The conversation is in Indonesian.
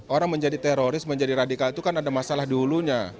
orang menjadi teroris menjadi radikal itu kan ada masalah di hulunya